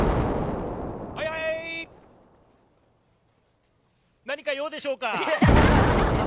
はいはい、何か用でしょうか？